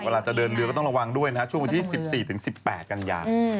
เวลาจะเดินเรือก็ต้องระวังด้วยนะฮะช่วงวันที่๑๔๑๘กันยา